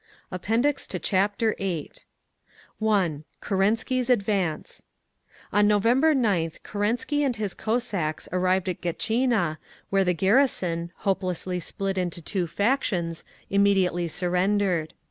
APPENDIX TO CHAPTER VIII 1. KERENSKY'S ADVANCE On November 9th Kerensky and his Cossacks arrived at Gatchina, where the garrison, hopelessly split into two factions, immediately surrendered.